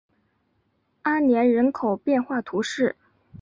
阿年人口变化图示